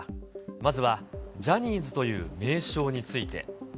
まずはジャニーズという名称につ